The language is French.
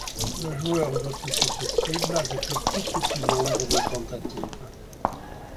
Le joueur doit toucher ces cibles avec le plus petit nombre de tentatives.